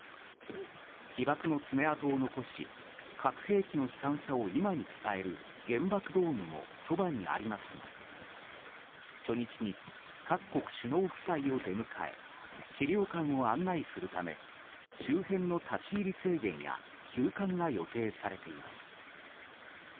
被爆の爪痕を残し核兵器の悲惨さを今に伝える原爆ドームもそばにありますが初日に各国首脳夫妻を出迎え資料館を案内するため周辺の立ち入り制限や休館が予定されています。